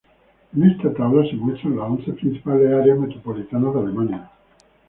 En esta tabla se muestran las once principales áreas metropolitanas de Alemania.